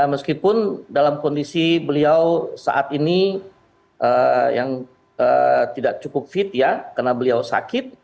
meskipun dalam kondisi beliau saat ini yang tidak cukup fit ya karena beliau sakit